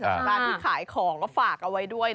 สถานพื้นขายของแล้วฝากเอาไว้ด้วย